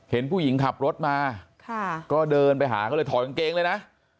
เห็นผู้หญิงขับรถมาก็เดินไปหาก็เลยถอยกางเกงเลยนะ